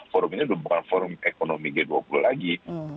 forum ini bukan forum ekonomi g dua puluh lagi